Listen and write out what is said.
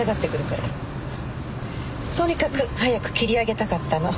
とにかく早く切り上げたかったの。